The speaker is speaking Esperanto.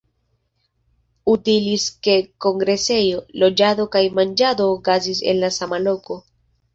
Utilis ke kongresejo, loĝado kaj manĝado okazis en la sama loko.